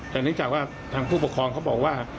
จากนี้จากว่าทางผู้ปกครองเขาบอกว่า